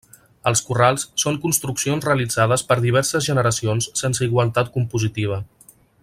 Els corrals són construccions realitzades per diverses generacions sense igualtat compositiva.